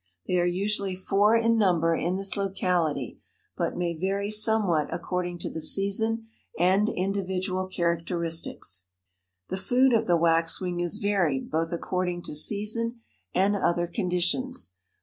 They are usually four in number in this locality, but may vary somewhat according to the season and individual characteristics. The food of the waxwing is varied both according to season and other conditions.